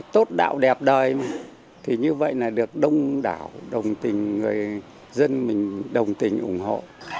tốt đạo đẹp đời thì như vậy là được đông đảo đồng tình người dân mình đồng tình ủng hộ